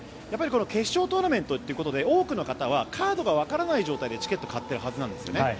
決勝トーナメントということで多くの方はカードがわからない状態でチケットを買ってるはずなんですね。